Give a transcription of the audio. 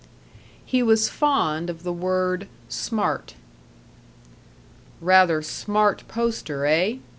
He was fond of the word "smart." "Rather smart poster, eh?"